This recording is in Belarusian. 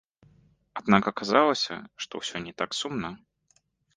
Аднак аказалася, што ўсё не так сумна.